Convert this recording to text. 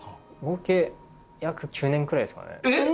合計約９年くらいですかねえっ？